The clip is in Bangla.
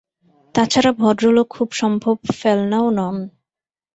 তাছাড়া ভদ্রলোক খুব সম্ভব ফ্যালনাও নন।